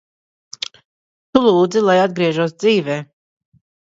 Tu lūdzi, lai atgriežos dzīvē.